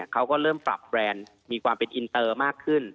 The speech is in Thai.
เขาก็เริ่มปรับแบรนด์มีความเป็นอินเตอร์มากขึ้น